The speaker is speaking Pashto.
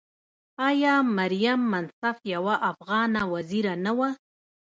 آیا مریم منصف یوه افغانه وزیره نه وه؟